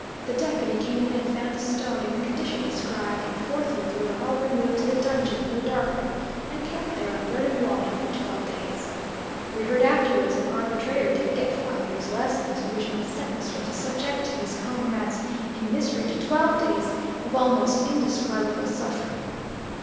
The Deputy came in and found the stone in the condition described, and forthwith we were all removed to the dungeon, or dark room, and kept there on bread and water for twelve days. We heard afterwards that our betrayer did get five years less than his original sentence for subjecting his comrades in misery to twelve days of almost indescribable suffering.